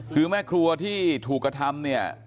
คือแม่ครัวที่ถูกกระทำ